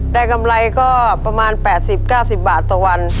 กำไรก็ประมาณ๘๐๙๐บาทต่อวัน